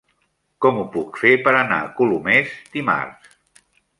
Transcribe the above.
Com ho puc fer per anar a Colomers dimarts?